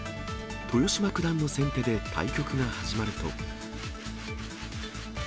豊島九段の先手で、対局が始まると。